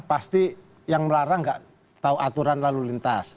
pasti yang melarang gak tau aturan lalu lintas